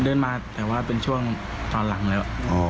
เดินมาแต่ว่าเป็นช่วงตอนหลังแล้ว